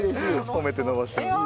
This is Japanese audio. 褒めて伸ばして。